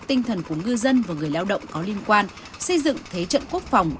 tinh thần của ngư dân và người lao động có liên quan xây dựng thế trận quốc phòng